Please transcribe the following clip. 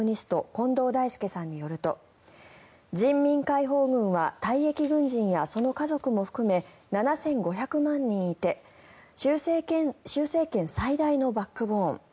近藤大介さんによると人民解放軍は退役軍人やその家族も含め７５００万人いて習政権最大のバックボーン